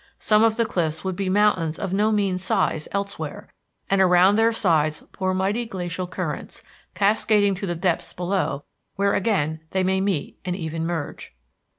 Some of the cliffs would be mountains of no mean size elsewhere, and around their sides pour mighty glacial currents, cascading to the depths below where again they may meet and even merge.